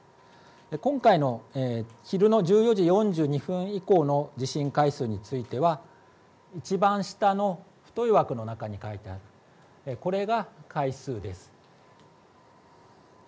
今回の昼の１４時４２分以降の地震回数については一番下の太いの中に書いてあるこれが回数です。